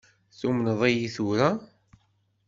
Tumneḍ-iyi tura?